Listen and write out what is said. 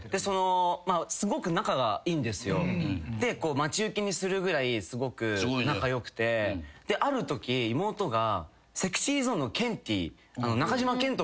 待ち受けにするぐらいすごく仲良くてあるとき妹がＳｅｘｙＺｏｎｅのケンティー。